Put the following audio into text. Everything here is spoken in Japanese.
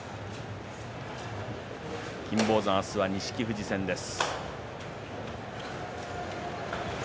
金峰山、明日は錦富士戦です。